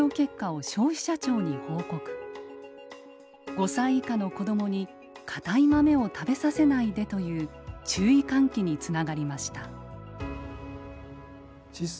５歳以下の子どもに硬い豆を食べさせないでという注意喚起につながりました。